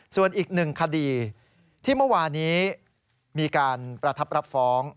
ส่วนอีกหนึ่งคดีที่เมื่อวานี้มีการประทับรับฟ้อง